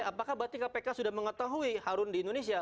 apakah berarti kpk sudah mengetahui harun di indonesia